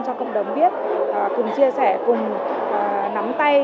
cho cộng đồng biết cùng chia sẻ cùng nắm tay